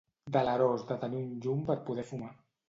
Delerós de tenir un llum per poder fumar.